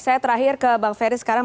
saya terakhir ke bang ferry sekarang